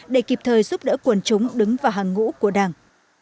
để kịp thời giúp đỡ quần chúng đứng vào hàng ngũ của đảng